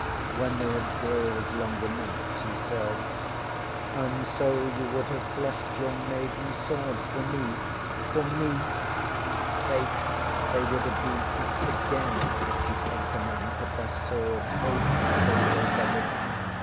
When they had grilled long enough, she says: ŌĆ£And so you would have fleshed your maiden swords for me for me? ŌĆØ Faith, they would have been at it again if sheŌĆÖd egged ŌĆśem on! but their swords oh, prettily they said it!